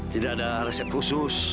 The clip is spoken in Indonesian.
tidak ada resep khusus